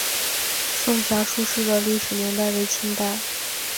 颂遐书室的历史年代为清代。